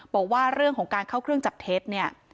บอกว่าเรื่องของการเข้าเครื่องจับเท็จเนี่ย